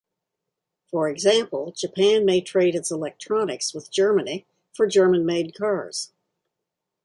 For example, Japan may trade its electronics with Germany for German-made cars.